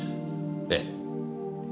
ええ。